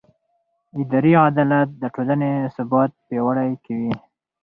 اداري عدالت د ټولنې ثبات پیاوړی کوي.